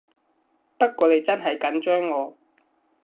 不過你真係緊張我